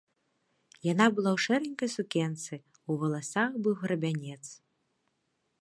Яна была ў шэранькай сукенцы, у валасах быў грабянец.